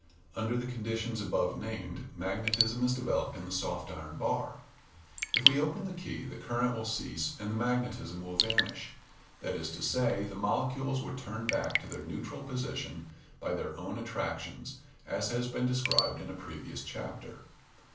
Under the conditions above named magnetism is developed in the soft iron bar. If we open the key the current will cease and the magnetism will vanish that is to say, the molecules will turn back to their neutral position by their own attractions, as has been described in a previous chapter.